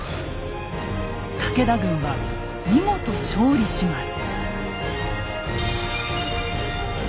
武田軍は見事勝利します。